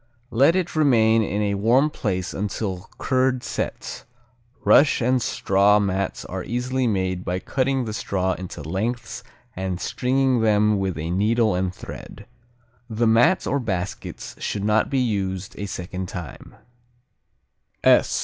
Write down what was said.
Let it remain in a warm place until curd sets. Rush and straw mats are easily made by cutting the straw into lengths and stringing them with a needle and thread. The mats or baskets should not be used a second time.